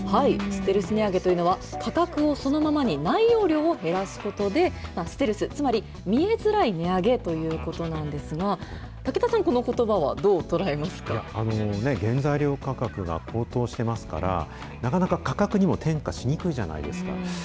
ステルス値上げというのは、価格をそのままに、内容量を減らすことで、ステルス、つまり見えづらい値上げということなんですが、武田さん、原材料価格が高騰してますから、なかなか、価格にも転嫁しにくいじゃないですか。